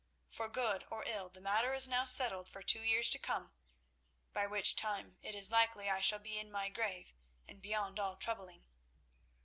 For good or ill, the matter is now settled for two years to come, by which time it is likely I shall be in my grave and beyond all troubling.